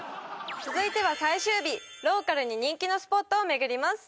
続いては最終日ローカルに人気のスポットを巡ります